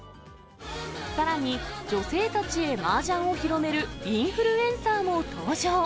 さらに、女性たちへマージャンを広めるインフルエンサーも登場。